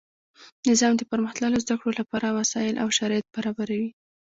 نظام د پرمختللو زده کړو له پاره وسائل او شرایط برابروي.